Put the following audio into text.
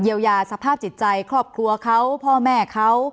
เยียวยาสภาพจิตใจครอบครัวเขาพ่อแม่เขา